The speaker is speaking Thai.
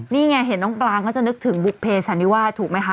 นี่ไงเห็นน้องกลางก็จะนึกถึงบุภเพสันนิวาสถูกไหมคะ